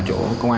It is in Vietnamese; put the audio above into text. chủ công an